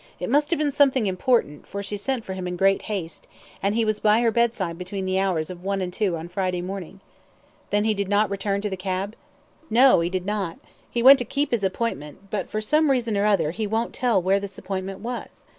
"It must have been something important, for she sent for him in great haste and he was by her bedside between the hours of one and two on Friday morning." "Then he did not return to the cab?" "No, he did not, he went to keep his appointment, but, for some reason or other, he won't tell where this appointment was.